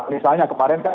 misalnya kemarin kan